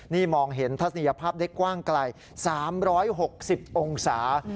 นี่มองเห็นทัศนียภาพได้กว้างไกล๓๖๐องศา